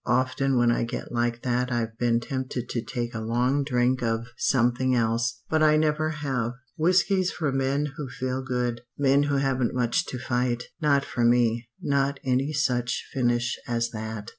Often when I get like that I've been tempted to take a long drink of something else but I never have. Whiskey's for men who feel good; men who haven't much to fight. Not for me not any such finish as that.